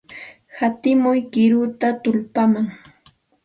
Hatimuy qiruta tullpaman.